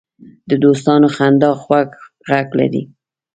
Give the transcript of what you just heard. د دوستانو خندا خوږ غږ لري